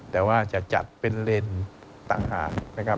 แต่ว่าจะจัดเป็นเลนส์ต่างหาก